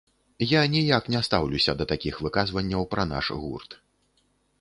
Я ніяк не стаўлюся да такіх выказванняў пра наш гурт.